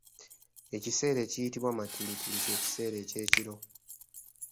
Ekiseera ekiyitibwa Matulutulu ky'ekiseera ekyekiro.